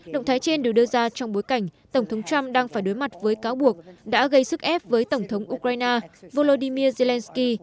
động thái trên được đưa ra trong bối cảnh tổng thống trump đang phải đối mặt với cáo buộc đã gây sức ép với tổng thống ukraine volodymyr zelensky